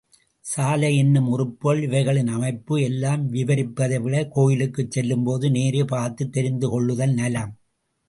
சாலை என்னும் உறுப்புகள், இவைகளின் அமைப்பை எல்லாம் விவரிப்பதைவிட கோயிலுக்குச் செல்லும்போது நேரே பார்த்துத் தெரிந்து கொள்ளுதல் நலம்.